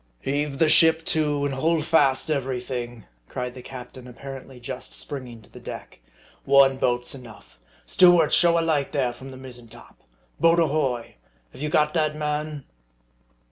MARDI. 43 " Heave the ship to, and hold fast every thing," cried the captain, apparently just springing to the deck. " One boat's enough. Steward ! show a light there from the mizzeii top. Boat ahoy ! Have you got that man